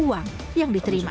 uang yang diterima